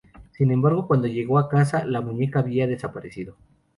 Sin embargo, cuando llegó a casa, la muñeca había desaparecido.